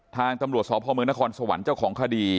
ทางตำรวจสอบภอมเมืองนครสวรรค์เจ้าของคดี